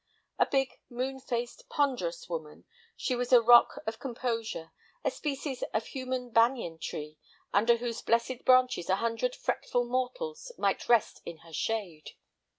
A big, moon faced, ponderous woman, she was a rock of composure, a species of human banyan tree under whose blessed branches a hundred fretful mortals might rest in the shade.